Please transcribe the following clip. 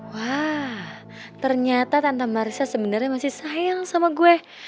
wah ternyata tante marisa sebenarnya masih sayang sama gue